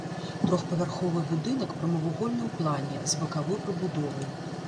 Трохпавярховы будынак прамавугольны ў плане, з бакавой прыбудовай.